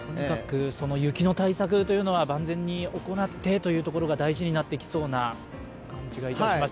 雪の対策は万全に行ってというところが大事になってきそうな感じがいたします。